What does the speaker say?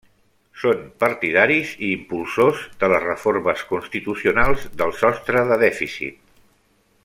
Són partidaris i impulsors de les reformes constitucionals del sostre de dèficit.